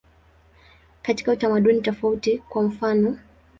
Katika utamaduni tofauti, kwa mfanof.